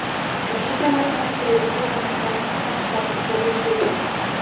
Рассчитываем на принятие резолюции консенсусом, как и в предыдущие годы.